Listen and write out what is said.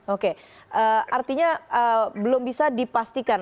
oke artinya belum bisa dipastikan